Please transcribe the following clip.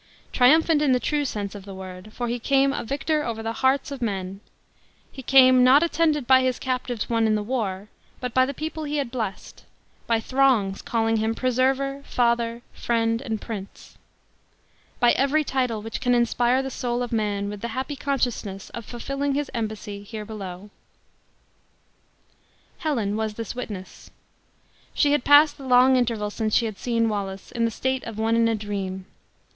Triumphant in the true sense of the word; for he came a victor over the hearts of men; he came, not attended by his captives won in the war, but by the people he had blessed, by throngs calling him preserver, father, friend, and prince! By every title which can inspire the soul of man with the happy consciousness of fulfilling his embassy here below. Helen was this witness. She had passed the long interval, since she had seen Wallace, in the state of one in a dream.